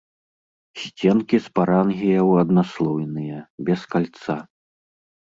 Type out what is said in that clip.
Сценкі спарангіяў аднаслойныя, без кальца.